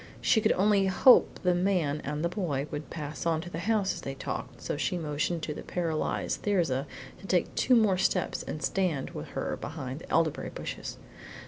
She could only hope the man and the boy would pass on to the house as they talked, so she motioned to the paralyzed Thirza to take two more steps and stand with her behind the elderberry bushes.